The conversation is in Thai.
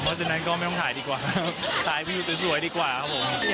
เพราะฉะนั้นก็ไม่ต้องถ่ายดีกว่าถ่ายวิวสวยดีกว่าครับผม